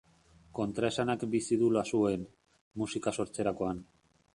Kontraesanak bizi du Lasuen, musika sortzerakoan.